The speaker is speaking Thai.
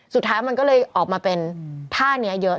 สุดท้ายมันก็เลยออกมาเป็นท่านี้เยอะ